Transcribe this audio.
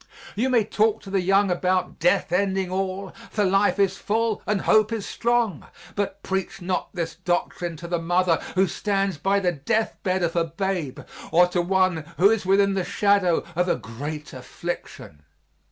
You may talk to the young about death ending all, for life is full and hope is strong, but preach not this doctrine to the mother who stands by the death bed of her babe or to one who is within the shadow of a great affliction.